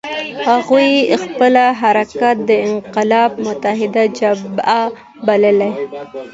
هغوی خپل حرکت د انقلاب متحده جبهه باله.